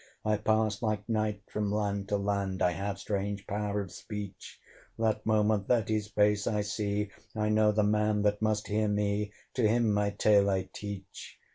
I pass, like night, from land to land; I have strange power of speech; That moment that his face I see, I know the man that must hear me: To him my tale I teach.